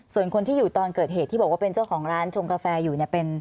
ส่วนคนที่อยู่ตอนเกิดเหตุที่บอกว่าเป็นเจ้าของร้านชงกาแฟอยู่เนี่ยเป็น